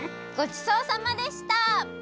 ごちそうさまでした！